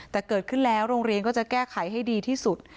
แต่เกิดขึ้นแล้วโรงเรียนก็จะแก้ไขให้ดีที่สุด